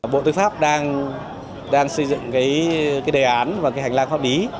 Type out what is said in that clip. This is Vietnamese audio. bộ tư pháp đang xây dựng cái đề án và cái hành lang pháp lý